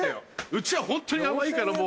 うちはホントに甘いから。